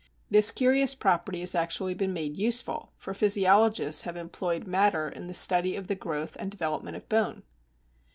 This curious property has actually been made useful, for physiologists have employed madder in the study of the growth and development of bone.